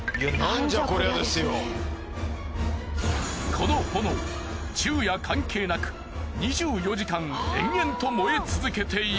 この炎昼夜関係なく２４時間延々と燃え続けている。